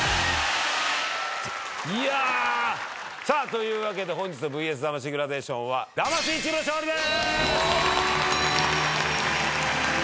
さあというわけで本日の『ＶＳ魂』グラデーションは魂チームの勝利です！